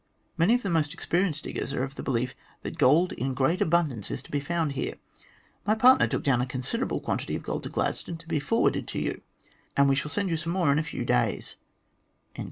Many of the most experienced diggers are of the belief that gold in great abundance is to be found here. My partner took down a considerable quantity of gold to Gladstone to be forwarded to you, and we shall send you some more in a few days."